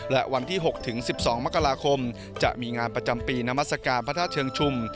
และวันที่๖๑๒มกราคมจะมีงานประจำปีนามัศกาลพระธาตุเชิงชุม